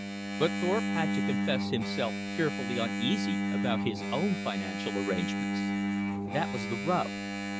But Thorpe had to confess himself fearfully uneasy about his own financial arrangements. That was the rub.